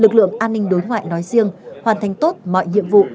cục an ninh đối ngoại nói riêng hoàn thành tốt mọi nhiệm vụ